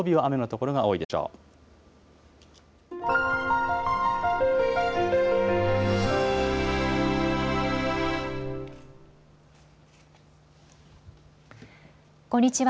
こんにちは。